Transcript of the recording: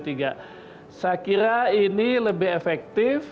saya kira ini lebih efektif